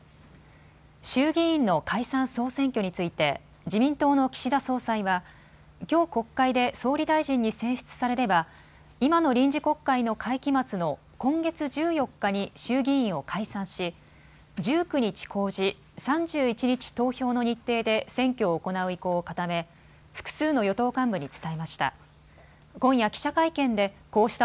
衆議院の解散総選挙について自民党の岸田総裁はきょう国会で総理大臣に選出されれば今の臨時国会の会期末の今月１４日に衆議院を解散し１９日公示、３１日投票の日程で選挙を行う意向を固め複数の与党幹部に伝えました。